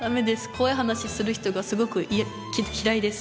怖い話する人がすごく嫌いです。